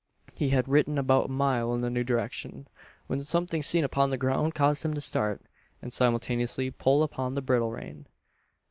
He had ridden about a mile in the new direction, when something seen upon the ground caused him to start, and simultaneously pull upon the bridle rein.